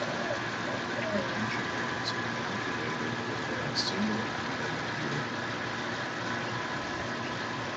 Retention rates are calculated within a single academic year.